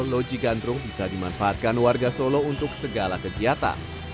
loji gandrung bisa dimanfaatkan warga solo untuk segala kegiatan